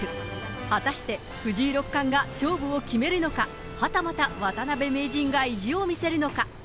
果たして藤井六冠が勝負を決めるのか、はたまた渡辺名人が意地を見せるのか。